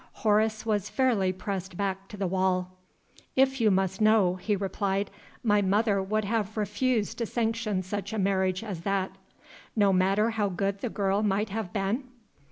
Horace was fairly pressed back to the wall. "If you must know," he replied, "my mother would have refused to sanction such a marriage as that." "No matter how good the girl might have been?"